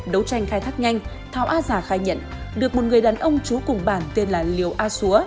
đấu tranh khai thác nhanh thao a già khai nhận được một người đàn ông trú cùng bản tên là liều a xúa